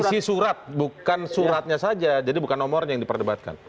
isi surat bukan suratnya saja jadi bukan nomornya yang diperdebatkan